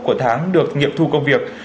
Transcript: của tháng được nghiệp thu công việc